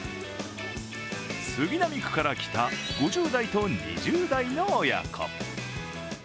杉並区から来た５０代と２０代の親子。